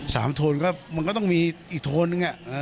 สามโทนก็มันก็ต้องมีอีกโทนอย่างนี้